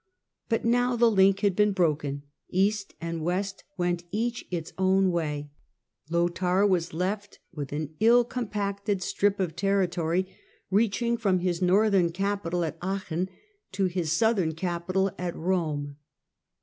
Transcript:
But now the link had been Droken ; east and west went each its own way ; and 214 THE DAWN OF MEDIEVAL EUROPE Lothair was left with an ill compacted strip of territory, reaching from his northern capital at Aachen to his southern capital at Home.